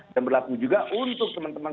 berlaku juga untuk teman teman